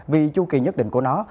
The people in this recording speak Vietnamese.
vì chu kỳ nhất định của nó